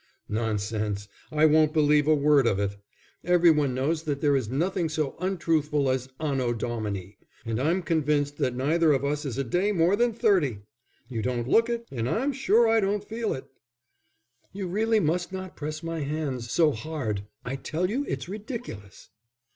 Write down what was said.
"Nonsense, I won't believe a word of it. Every one knows that there is nothing so untruthful as Anno Domini, and I'm convinced that neither of us is a day more than thirty. You don't look it, and I'm sure I don't feel it." "You really must not press my hands so hard. I tell you it's ridiculous."